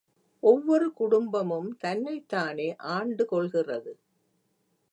ஒவ்வொரு குடும்பமும் தன்னைத் தானே ஆண்டு கொள்கிறது.